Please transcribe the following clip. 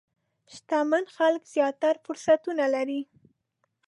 شتمن خلک زیات فرصتونه لري.